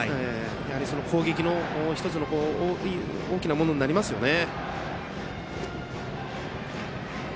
攻撃の１つの大きなものになりますよね。